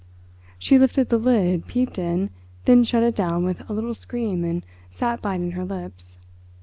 She lifted the lid, peeped in, then shut it down with a little scream and sat biting her lips.